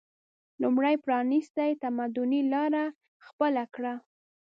لومړی پرانیستي تمدني لاره خپله کړه